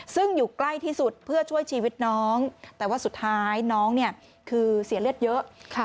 ซึ่งอยู่ใกล้ที่สุดเพื่อช่วยชีวิตน้องแต่ว่าสุดท้ายน้องเนี่ยคือเสียเลือดเยอะ